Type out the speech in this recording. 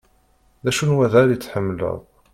D acu n waddal i tḥemmleḍ?